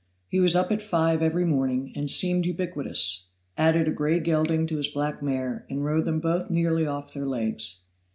He was up at five every morning, and seemed ubiquitous; added a gray gelding to his black mare, and rode them both nearly off their legs.